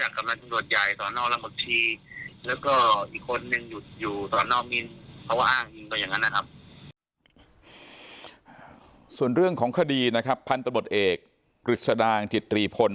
ส่วนเรื่องของคดีนะครับพันธบทเอกกฤษดางจิตรีพล